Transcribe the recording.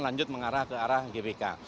lanjut mengarah ke arah gbk